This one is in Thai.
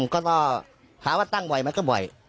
ก็ต้องหาว่าตั้งบ่อยไหมก็บ่อย